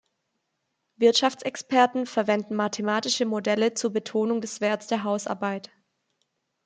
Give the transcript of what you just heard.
Wirtschaftsexperten verwenden mathematische Modelle zur Betonung des Werts der Hausarbeit.